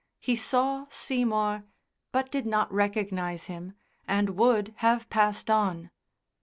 He saw Seymour, but did not recognise him, and would have passed on.